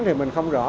thì mình không rõ